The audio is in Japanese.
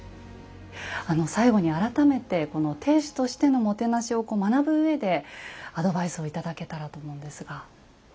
あの最後に改めてこの亭主としてのもてなしを学ぶうえでアドバイスを頂けたらと思うんですが。